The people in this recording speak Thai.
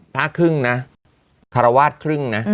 พระครึ่งนะคารวาสครึ่งนะ